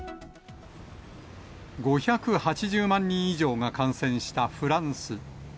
５８０万人以上が感染したフランス。